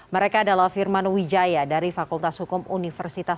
mereka adalah firman wijaya dari fakultas hukum universitas